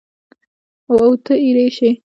اوته اېره شې!